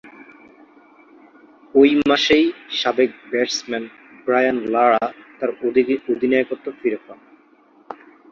ঐ মাসেই সাবেক ব্যাটসম্যান ব্রায়ান লারা তার অধিনায়কত্ব ফিরে পান।